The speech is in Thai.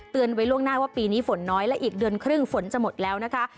ไว้ล่วงหน้าว่าปีนี้ฝนน้อยและอีกเดือนครึ่งฝนจะหมดแล้วนะคะ